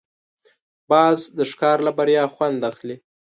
باز د ښکار له بریا خوند اخلي